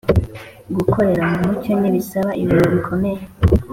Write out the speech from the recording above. Gukorera mu mucyo ntibisaba ibintu bikomeye.